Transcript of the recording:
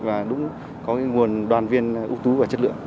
và đúng có nguồn đoàn viên ưu tú và chất lượng